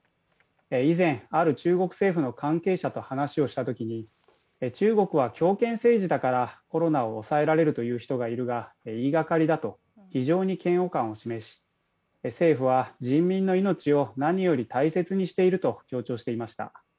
以前、ある中国政府の関係者と話をしたときに中国は強権政治だからコロナを抑えられるという人がいるが、言いがかりだと非常に嫌悪感を示し、政府は人民の命を何より大切にしていると言っていました。